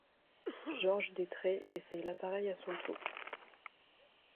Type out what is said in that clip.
Georges Détré essaye l'appareil à son tour.